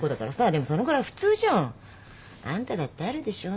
でもそのぐらい普通じゃん。あんただってあるでしょ？